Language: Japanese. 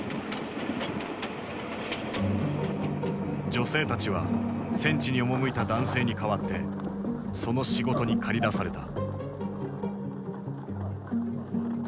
女性たちは戦地に赴いた男性に代わってその仕事に駆り出された。